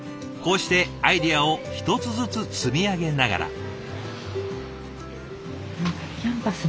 こうしてアイデアを１つずつ積み上げながら。